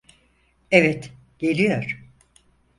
Evet, geliyor.